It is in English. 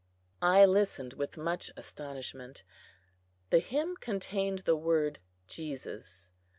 I listened with much astonishment. The hymn contained the word Jesus.